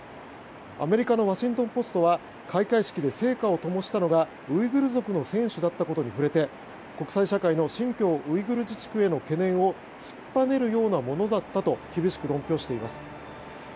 アメリカのワシントン・ポストは開会式で聖火をともしたのがウイグル族の選手だったことに触れて国際社会の新疆ウイグル自治区への懸念を突っぱねるようなものだったと厳しく論評しています。